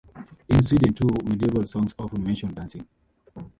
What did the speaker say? In Sweden too, medieval songs often mentioned dancing.